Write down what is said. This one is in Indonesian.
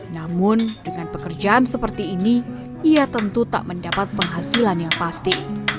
namun dengan pekerjaan seperti ini ia tentu tak mendapat penghasilan yang pasti